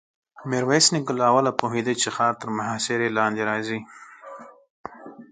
ميرويس نيکه له اوله پوهېده چې ښار تر محاصرې لاندې راځي.